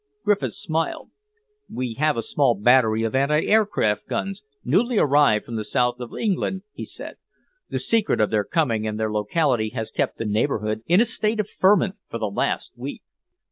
Griffiths smiled. "We have a small battery of anti aircraft guns, newly arrived from the south of England," he said. "The secret of their coming and their locality has kept the neighbourhood in a state of ferment for the last week."